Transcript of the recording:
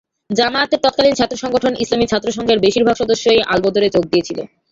জামায়াতের তৎকালীন ছাত্রসংগঠন ইসলামী ছাত্রসংঘের বেশির ভাগ সদস্যই আলবদরে যোগ দিয়েছিল।